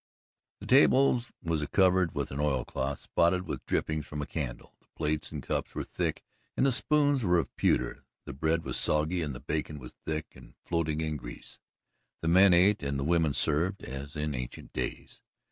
The table was covered with an oil cloth spotted with drippings from a candle. The plates and cups were thick and the spoons were of pewter. The bread was soggy and the bacon was thick and floating in grease. The men ate and the women served, as in ancient days.